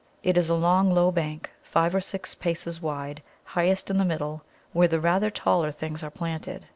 It is a long, low bank, five or six paces wide, highest in the middle, where the rather taller things are planted.